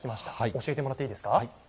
教えてもらっていいですか。